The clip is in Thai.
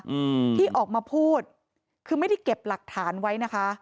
อืมที่ออกมาพูดคือไม่ได้เก็บหลักฐานไว้นะคะ